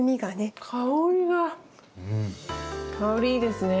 香りいいですね。